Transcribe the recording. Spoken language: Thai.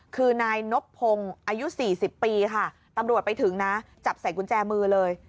คือนายนบพงศ์อายุ๔๐ปีค่ะตำรวจไปถึงนะจับใส่กุญแจมือเลย